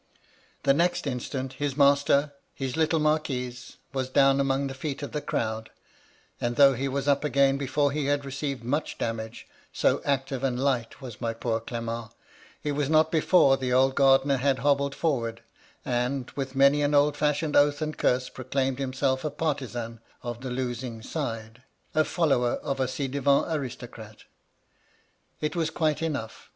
The next instant, his master, — ^his little marquis — was down among the feet of the crowd, and though he was up again before he had received much damage — so active and light was my poor Cle ment — ^it was not before the old gardener had hobbled forwards, and, with many an old fashioned oath and curse, proclaimed himself a partizan of the losing side — a follower of a gi devant aristocrat. It was quite enough.